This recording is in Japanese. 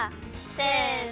せの。